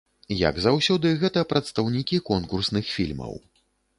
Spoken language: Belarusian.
Як заўсёды, гэта прадстаўнікі конкурсных фільмаў.